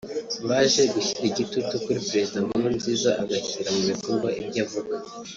baje gushyira igitutu kuri Perezida Nkurunziza agashyira mu bikorwa ibyo avuga